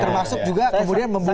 termasuk juga kemudian membuka